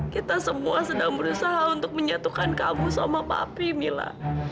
kita semua sedang berusaha untuk menyatukan kamu sama papi mila